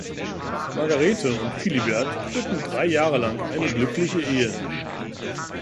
Margarete und Philibert führten drei Jahre lang eine glückliche Ehe.